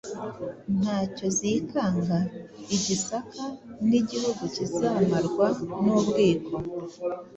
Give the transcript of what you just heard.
ntacyo zikanga. Igisaka n’igihugu kizamarwa n’ubwiko.